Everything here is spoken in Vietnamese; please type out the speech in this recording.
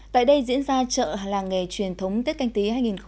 tại đây diễn ra trợ làng nghề truyền thống tết canh tý hai nghìn hai mươi